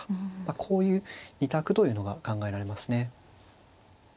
こういう２択というのが考えられますね。